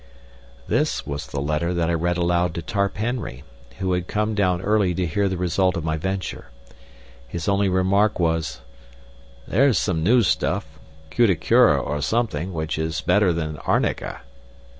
This was the letter that I read aloud to Tarp Henry, who had come down early to hear the result of my venture. His only remark was, "There's some new stuff, cuticura or something, which is better than arnica."